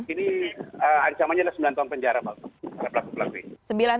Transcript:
ini ancamannya sembilan tahun penjara pak